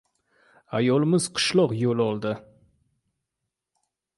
Ayolimiz qishloq yo‘l oldi.